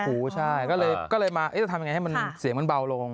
โอ้โหใช่ก็เลยมาจะทำยังไงให้มันเสียงมันเบาลง